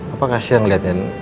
apa kasih yang ngeliatnya